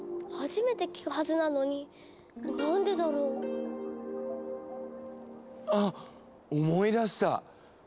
初めて聞くはずなのに何でだろう？あっ思い出した！